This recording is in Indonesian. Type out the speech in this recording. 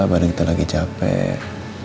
badang kita lagi capek